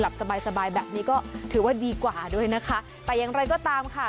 สบายสบายแบบนี้ก็ถือว่าดีกว่าด้วยนะคะแต่อย่างไรก็ตามค่ะ